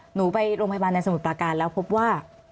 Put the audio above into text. หนูไปโรงพยาบาลในสมุทรประการแล้วพบว่า